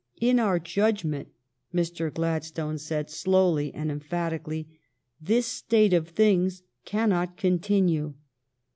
' In our judg ment,' Mr. Gladstone said, slowly and emphatically, * this state of things cannot continue.'